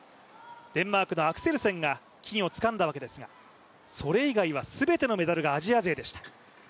デンマークのアクセルセンがメダルをつかんだんですがそれ以外は全てのメダルがアジア勢でした。